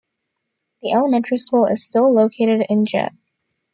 The elementary school is still located in Jet.